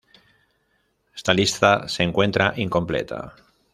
Esta lista se encuentra incompleta.